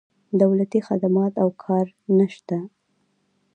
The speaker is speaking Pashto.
دولتي خدمات او کار نه شته.